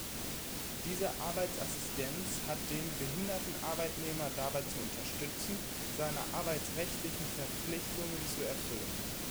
Diese Arbeitsassistenz hat den behinderten Arbeitnehmer dabei zu unterstützen, seine arbeitsrechtlichen Verpflichtungen zu erfüllen.